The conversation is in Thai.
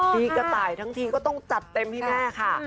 ปีกระต่ายทั้งทีก็ต้องจัดเต็มให้แม่ค่ะ